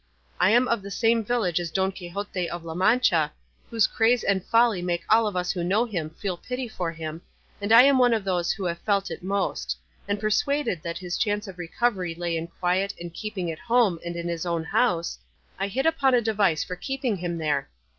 I am of the same village as Don Quixote of La Mancha, whose craze and folly make all of us who know him feel pity for him, and I am one of those who have felt it most; and persuaded that his chance of recovery lay in quiet and keeping at home and in his own house, I hit upon a device for keeping him there.